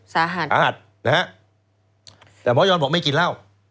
สาหัสแต่หมอยอนบอกไม่กินเล่า